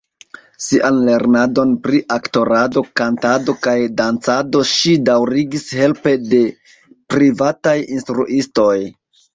Sian lernadon pri aktorado, kantado kaj dancado ŝi daŭrigis helpe de privataj instruistoj.